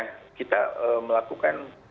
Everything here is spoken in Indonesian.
nah kita melakukan